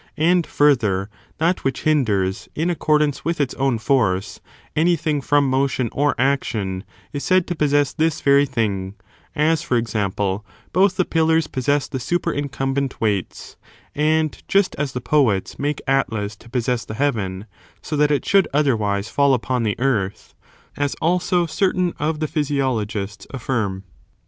And, further, that which hinders, in accordance with its own force, anything from motion or action is said to possess this very thing; as, for example, both the pillars possess the superincumbent weights, and just as the poets make Atlas^ to possess the heaven, so that it should otherwise fidl upon the earth ; as, also, certain of the physiologists ' affirm.